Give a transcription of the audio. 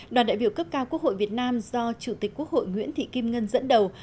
đoàn đại biểu cấp cao quốc hội việt nam do chủ tịch quốc hội nguyễn thị kim ngân dẫn đầu